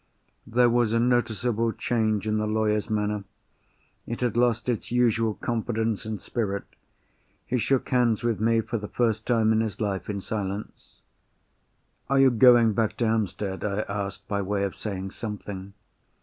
There was a noticeable change in the lawyer's manner. It had lost its usual confidence and spirit. He shook hands with me, for the first time in his life, in silence. "Are you going back to Hampstead?" I asked, by way of saying something.